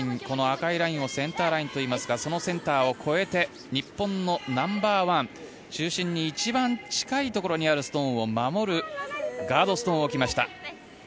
この赤いラインをセンターラインといいますがそのセンターラインを越えて日本のナンバーワン中心に一番近いところにあるストーンを守るガードストーンを置きました。